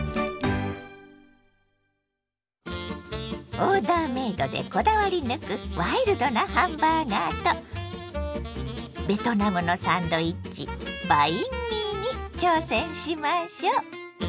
オーダーメイドでこだわり抜くワイルドなハンバーガーとベトナムのサンドイッチバインミーに挑戦しましょ。